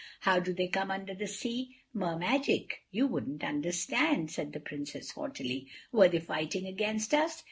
"How do they come under the sea?" "Mer magic. You wouldn't understand," said the Princess haughtily. "Were they fighting against us?"